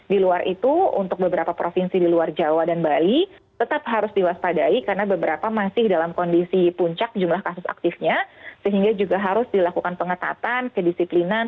di luar itu untuk beberapa provinsi di luar jawa dan bali tetap harus diwaspadai karena beberapa masih dalam kondisi puncak jumlah kasus aktifnya sehingga juga harus dilakukan pengetatan kedisiplinan